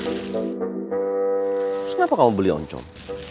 terus kenapa kamu beli loncom